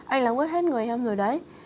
anh lắng quất hết người em rồi đấy